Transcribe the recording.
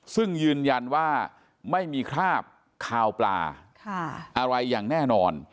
ซึ่งยืนยันว่าไม่มีคราบคาวปลาอะไรอย่างแน่นอน